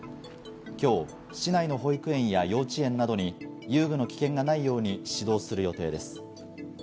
今日、市内の保育園や幼稚園などに遊具の危険がないように指導する予定です。